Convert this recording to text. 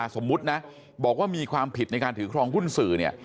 สมมุตินะบอกว่ามีความผิดในการถือครองหุ้นสื่อเนี่ย